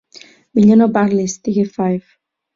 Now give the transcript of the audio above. "Millor no parlis!", digué Five.